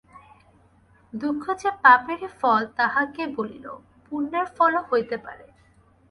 দুঃখ যে পাপেরই ফল তাহা কে বলিল, পুণ্যের ফলও হইতে পারে।